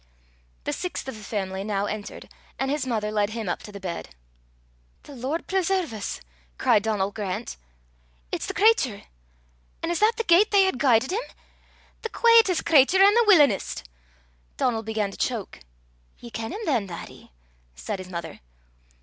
The sixth of the family now entered, and his mother led him up to the bed. "The Lord preserve 's!" cried Donal Grant, "it's the cratur! An' is that the gait they hae guidit him! The quaietest cratur an' the willin'est!" Donal began to choke. "Ye ken him than, laddie?" said his mother.